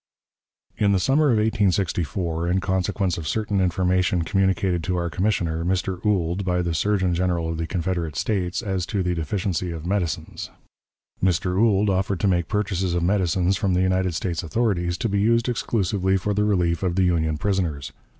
In the summer of 1864, in consequence of certain information communicated to our commissioner, Mr. Ould, by the Surgeon General of the Confederate States, as to the deficiency of medicines. Mr. Ould offered to make purchases of medicines from the United States authorities, to be used exclusively for the relief of the Union prisoners.